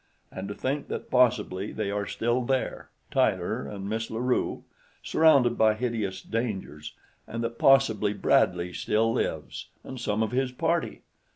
"And to think that possibly they are still there Tyler and Miss La Rue surrounded by hideous dangers, and that possibly Bradley still lives, and some of his party!